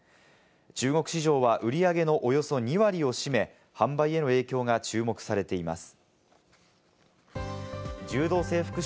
中国市場は売り上げのおよそ２割を占め、販売への影響が注目されています。